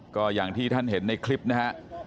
ก็อย่างที่ท่านเห็นในคลิปนะฮะ